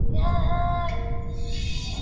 民国初废。